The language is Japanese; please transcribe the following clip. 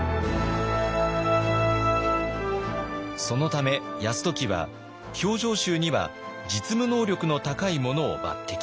そのため泰時は評定衆には実務能力の高い者を抜擢。